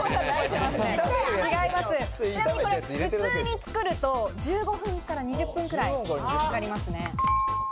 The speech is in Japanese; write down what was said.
ちなみに普通に作ると１５分２０分くらいかかりますね。